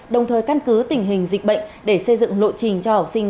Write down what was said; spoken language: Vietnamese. đồng thời căn cứ tình hình dịch bệnh để xây dựng lộ trình cho học sinh